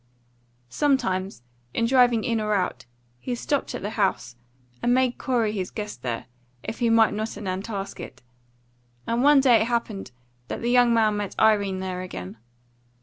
Sometimes, in driving in or out, he stopped at the house, and made Corey his guest there, if he might not at Nantasket; and one day it happened that the young man met Irene there again.